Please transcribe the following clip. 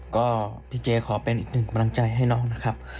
ก็พี่เจขอเป็นอีกหนึ่งกำลังใจให้น้องนะครับ